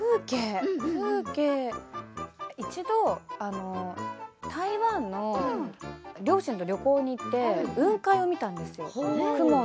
一度、台湾に両親と旅行に行って雲海を見たんですよ。